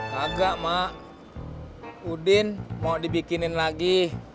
kagak mak udin mau dibikinin lagi